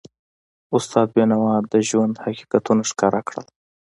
استاد بینوا د ژوند حقیقتونه ښکاره کړل.